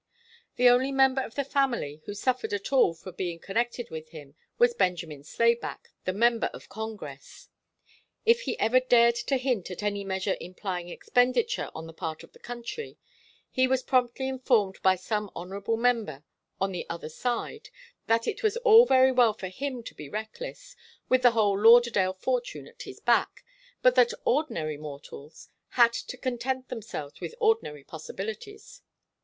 The only member of the family who suffered at all for being connected with him was Benjamin Slayback, the member of Congress. If he ever dared to hint at any measure implying expenditure on the part of the country, he was promptly informed by some Honourable Member on the other side, that it was all very well for him to be reckless, with the whole Lauderdale fortune at his back, but that ordinary mortals had to content themselves with ordinary possibilities.